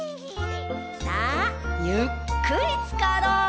さあゆっくりつかろう！